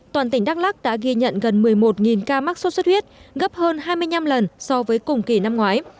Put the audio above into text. toàn tỉnh đắk lắc đã ghi nhận gần một mươi một ca mắc sốt xuất huyết gấp hơn hai mươi năm lần so với cùng kỳ năm ngoái